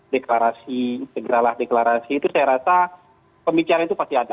deklarasi segeralah deklarasi itu saya rasa pembicaraan itu pasti ada